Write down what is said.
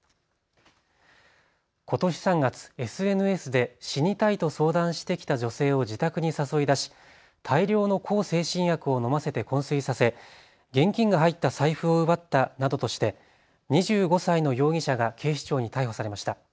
ことし３月、ＳＮＳで死にたいと相談してきた女性を自宅に誘い出し、大量の向精神薬を飲ませてこん睡させ現金が入った財布を奪ったなどとして２５歳の容疑者が警視庁に逮捕されました。